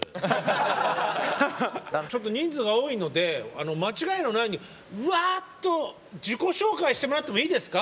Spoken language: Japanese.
ちょっと人数が多いので間違えのないようにうわっと自己紹介してもらってもいいですか？